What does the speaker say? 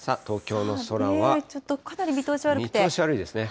ちょっと、かなり見通し悪く見通し悪いですね。